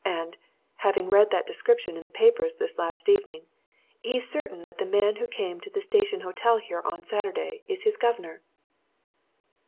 And, having read that description in the papers this last evening, he's certain that the man who came to the Station Hotel here on Saturday is his governor."